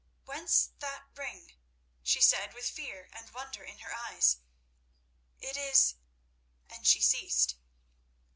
"Whence that ring?" she said, with fear and wonder in her eyes. "It is—" and she ceased.